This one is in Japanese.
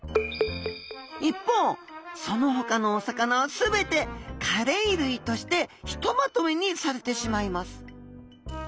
一方そのほかのお魚は全てカレイ類としてひとまとめにされてしまいます。